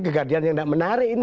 kegaduhan yang gak menarik ini